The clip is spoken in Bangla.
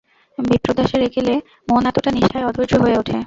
বিপ্রদাসের একেলে মন এতটা নিষ্ঠায় অধৈর্য হয়ে ওঠে।